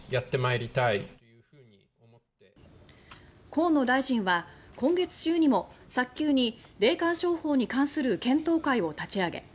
河野大臣は今月中にも早急に霊感商法に関する検討会を立ち上げ